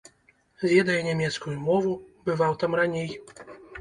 Ведае нямецкую мову, бываў там раней.